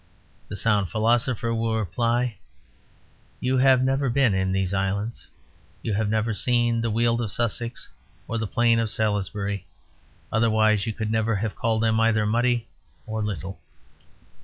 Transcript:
The sound philosopher will reply, "You have never been in these islands; you have never seen the weald of Sussex or the plain of Salisbury; otherwise you could never have called them either muddy or little."